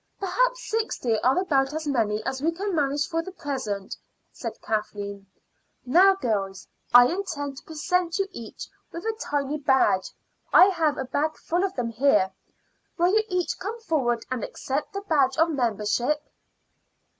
"Perhaps sixty are about as many as we can manage for the present," said Kathleen. "Now, girls, I intend to present you each with a tiny badge. I have a bag full of them here. Will you each come forward and accept the badge of membership?"